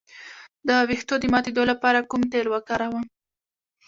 د ویښتو د ماتیدو لپاره کوم تېل وکاروم؟